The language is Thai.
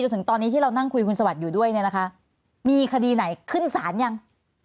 จนถึงตอนนี้ที่เรานั่งคุยคุณสวัสดิ์อยู่ด้วยมีคดีไหนขึ้นสารหรือยัง